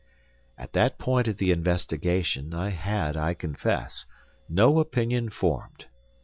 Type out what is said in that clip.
At that point of the investigation I had, I confess, no opinion formed.